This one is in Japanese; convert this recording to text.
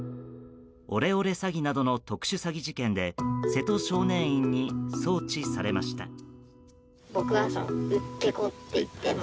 オレオレ詐欺などの特殊詐欺事件で瀬戸少年院に送致されました。